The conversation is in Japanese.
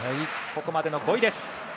ここまでの５位です。